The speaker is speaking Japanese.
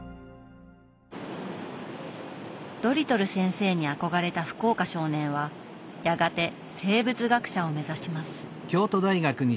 ドリトル先生に憧れた福岡少年はやがて生物学者を目指します。